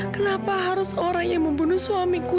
kenapa harus orang yang membunuh suamiku